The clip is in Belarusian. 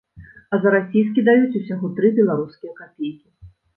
А за расійскі даюць усяго тры беларускія капейкі.